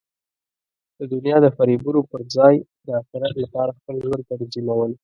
د دنیا د فریبونو پر ځای د اخرت لپاره خپل ژوند تنظیمول.